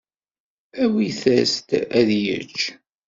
Awit-as-d ad yečč.